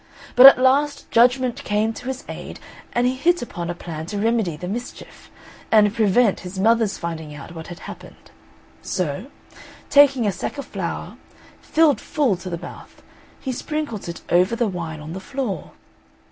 But at last judgment came to his aid and he hit upon a plan to remedy the mischief, and prevent his mother's finding out what had happened; so, taking a sack of flour, filled full to the mouth, he sprinkled it over the wine on the floor.